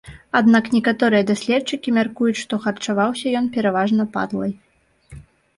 Аднак некаторыя даследчыкі мяркуюць, што харчаваўся ён пераважна падлай.